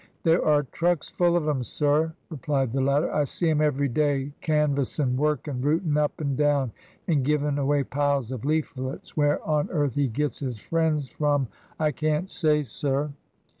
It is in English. " There are trucks full of 'em, sir," replied the latter ; "I see 'em every day, canvassin', workin*, rootin* up and down, and givin* away piles of Leaflets. Where on earth he gets his friends from I can't say, sir."